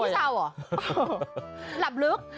หลับลึก